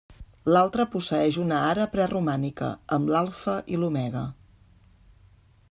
L'altra posseeix una ara preromànica, amb l'alfa i l'omega.